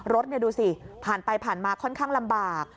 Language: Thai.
รถดูสิผ่านไปผ่านมาค่อนข้างลำบาก